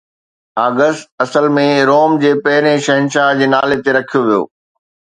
August اصل ۾ Rome جي پهرين شهنشاهه جي نالي تي رکيو ويو.